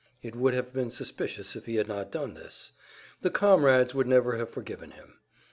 It would have been suspicious if he had not done this; the "comrades" would never have forgiven him.